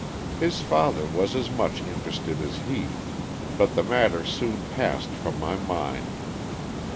His father was as much interested as he, but the matter soon passed from my mind.